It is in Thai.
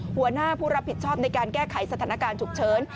หัวหน้าผู้รับผิดชอบในการแก้ไขสถานการณ์ฉุกเฉิน